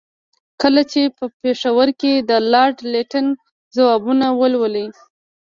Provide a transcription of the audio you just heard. کله چې په پېښور کې د لارډ لیټن ځوابونه ولولي.